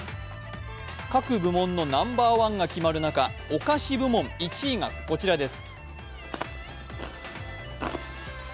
各部門のナンバーワンが決まる中、お菓子部門１位がこちらです。